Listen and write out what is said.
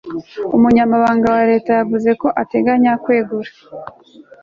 umunyamabanga wa leta yavuze ko ateganya kwegura